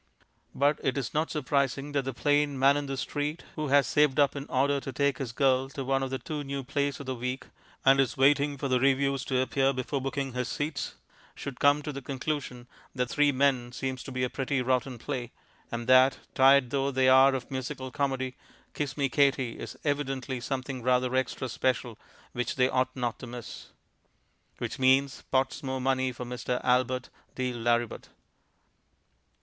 Rut it is not surprising that the plain man in the street, who has saved up in order to take his girl to one of the two new plays of the week, and is waiting for the reviews to appear before booking his seats, should come to the conclusion that Three Men seems to be a pretty rotten play, and that, tired though they are of musical comedy, Kiss Me, Katie, is evidently something rather extra special which they ought not to miss. Which means pots more money for Mr. Albert de Lauributt.